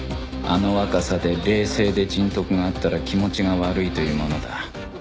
あの若さで冷静で人徳があったら気持ちが悪いというものだ